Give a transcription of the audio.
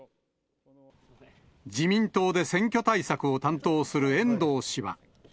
自民党で選挙対策を担当する遠藤氏は。